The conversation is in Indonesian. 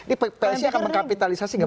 ini ps ini akan mengkapitalisasi gak